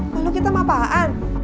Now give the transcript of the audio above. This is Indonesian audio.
makhluk hitam apaan